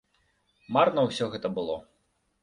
Марна ўсё гэта было.